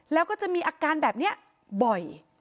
แล้วก็จะมีอาการแบบนี้บ่อย